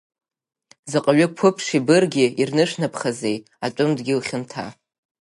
Заҟаҩы қәыԥши-бырги ирнышәнапхазеи атәым дгьыл хьанҭа!